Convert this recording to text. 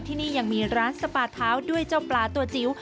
ที่นี่ยังมีร้านสปาเท้าด้วยเจ้าปลาตัวจิ๋ว